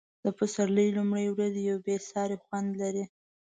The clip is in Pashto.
د پسرلي لومړنۍ ورځې یو بې ساری خوند لري.